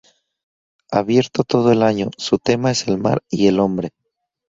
Abierto todo el año, su tema es el mar y el hombre.